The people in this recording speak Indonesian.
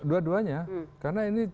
dua duanya karena ini